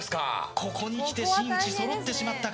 ここにきて真打ちそろってしまったか。